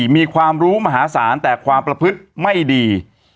มีความรู้มหาศาลแต่ความประพฤติไม่ดี